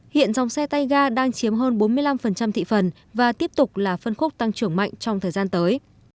hiện dòng xe tay ga đang chiếm hơn bốn mươi năm thị phần và tiếp tục là phân khúc tăng trưởng mạnh trong thời gian tới